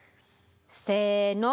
せの！